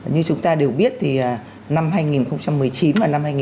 như chúng ta đều biết thì năm hai nghìn một mươi chín và năm hai nghìn hai mươi